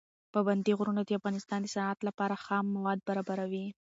پابندي غرونه د افغانستان د صنعت لپاره خام مواد برابروي.